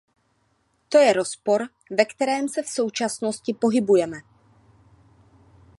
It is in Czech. To je rozpor, ve kterém se v současnosti pohybujeme.